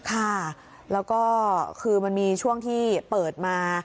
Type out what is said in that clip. ค่ะแล้วก็คือมันมีช่วงที่เปิดมา